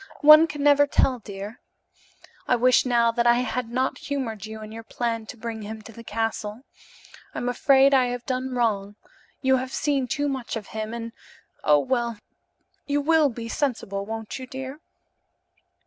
One can never tell, dear. I wish now that I had not humored you in your plan to bring him to the castle. I'm afraid I have done wrong. You have seen too much of him and oh, well, you will be sensible, won't you, dear?"